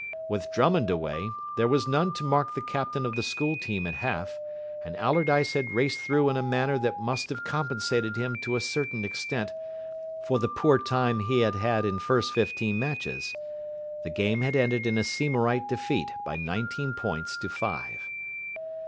With Drummond away, there was none to mark the captain of the School team at half, and Allardyce had raced through in a manner that must have compensated him to a certain extent for the poor time he had had in first fifteen matches. The game had ended in a Seymourite defeat by nineteen points to five.